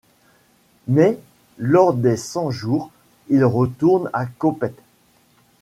Mais, lors des Cent-jours, il retourne à Coppet.